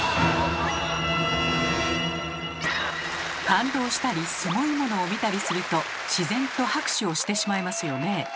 感動したりすごいものを見たりすると自然と拍手をしてしまいますよね。